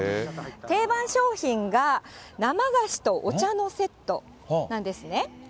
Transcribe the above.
定番商品が、生菓子とお茶のセットなんですね。